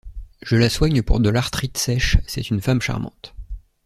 Je la soigne pour de l’arthrite sèche, c’est une femme charmante.